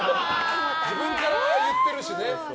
自分から言ってるしね。